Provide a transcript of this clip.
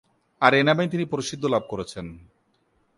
আর এ নামেই তিনি প্রসিদ্ধ লাভ করেছেন।